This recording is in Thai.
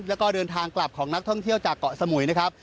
แล้วก็เดินทางกลับของนักท่องเที่ยวจากเกาะสมุยนะครับ